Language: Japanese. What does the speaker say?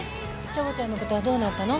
チョコちゃんのことはどうなったの？